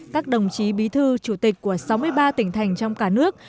các đồng chí bí thư chủ tịch của sáu mươi ba tỉnh thành trong cả nước